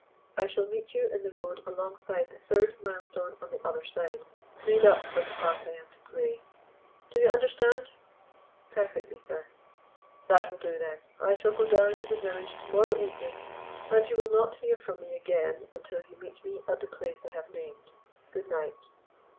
I shall meet you in the road alongside the third milestone on the other side, made up for the part I am to play. Do you understand?" "Perfectly, sir." "That will do then. I shall go down to the village to morrow evening, and you will not hear from me again until you meet me at the place I have named. Good night."